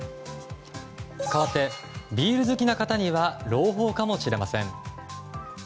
ビール好きな方には朗報かもしれません。